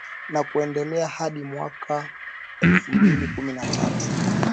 na kuendelea hadi mwaka elfu mbili kumi na tatu